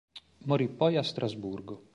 Morì poi a Strasburgo.